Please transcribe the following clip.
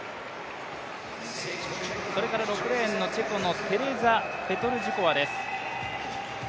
それから６レーンの、チェコのテレザ・ペトルジコワです。